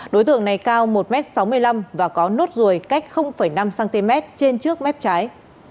đối tượng này cao một m sáu mươi năm và có nốt ruồi cách năm cm trên trước mép trái